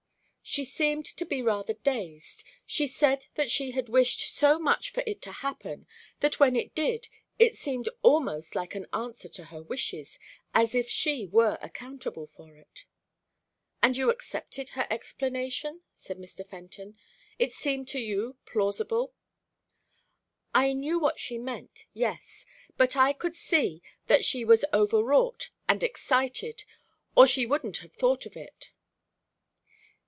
"She seemed to be rather dazed She said that she had wished so much for it to happen that when it did, it seemed almost like an answer to her wishes as if she were accountable for it." "And you accepted her explanation?" said Mr. Fenton. "It seemed to you plausible?" "I knew what she meant yes. But I could see that she was over wrought and excited, or she wouldn't have thought of it."